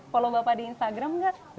follow bapak di instagram nggak